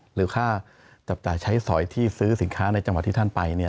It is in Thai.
หรือค่าจับจ่ายใช้สอยที่ซื้อสินค้าในจังหวัดที่ท่านไป